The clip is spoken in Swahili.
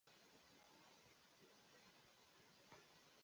Wakati huo eneo ambalo sasa linaitwa Iringa lilikuwa na makabila mbalimbali